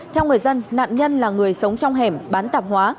theo người dân nạn nhân là người sống trong hẻm bán tạp hóa